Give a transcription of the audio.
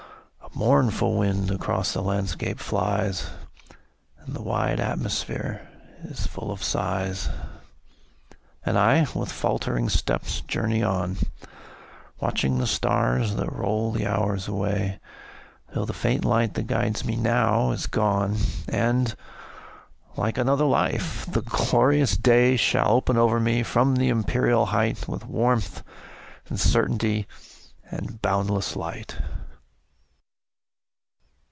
A mournful wind across the landscape flies, And the wide atmosphere is full of sighs. And I, with faltering footsteps, journey on, Watching the stars that roll the hours away, Till the faint light that guides me now is gone, And, like another life, the glorious day Shall open o'er me from the empyreal height, With warmth, and certainty, and boundless light.